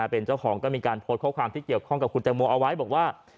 เป็นเจ้าของก็มีการโพสต์ข้อความที่เกี่ยวข้องกับคุณแตงโมเอาไว้บอกว่า